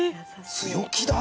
強気だね！